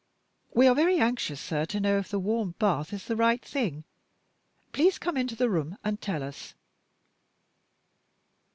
We are very anxious sir, to know if the warm bath is the right thing. Please come into the room and tell us."